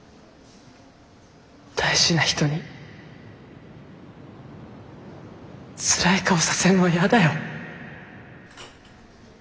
大事な人につらい顔させんのはやだよ。